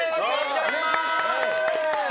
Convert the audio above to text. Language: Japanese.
お願いします。